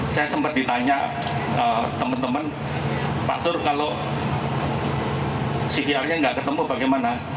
saya sempat ditanya teman teman pak sur kalau ctr nya nggak ketemu bagaimana